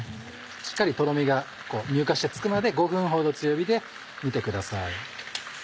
しっかりとろみが乳化してつくまで５分ほど強火で煮てください。